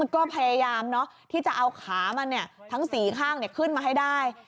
ก็พยายามที่จะเอาขามันทั้ง๔ข้างขึ้นมาให้ได้